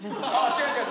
違う違う。